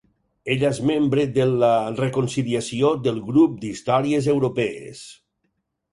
Ella és membre del la Reconciliació del Grup d'Històries Europees.